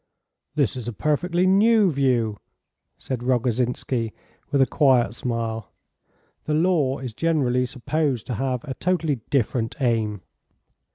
"This is a perfectly new view," said Rogozhinsky with a quiet smile; "the law is generally supposed to have a totally different aim."